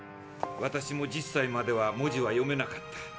私も１０歳までは文字は読めなかった。